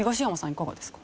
いかがですか？